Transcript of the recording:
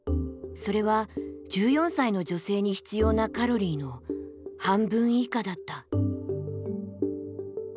それは１４歳の女性に必要なカロリーの半分以下だった。